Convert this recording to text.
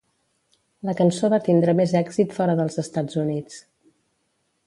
La cançó va tindre més èxit fora dels Estats Units.